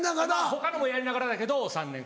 他のもやりながらだけど３年。